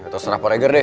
sosnah pak regar deh